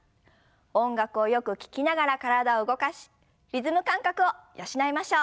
音楽をよく聞きながら体を動かしリズム感覚を養いましょう。